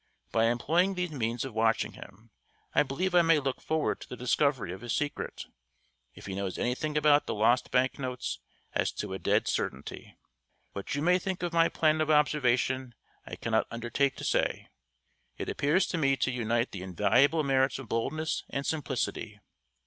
By employing these means of watching him, I believe I may look forward to the discovery of his secret if he knows anything about the lost bank notes as to a dead certainty. What you may think of my plan of observation I cannot undertake to say. It appears to me to unite the invaluable merits of boldness and simplicity.